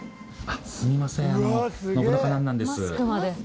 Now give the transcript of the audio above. すみません。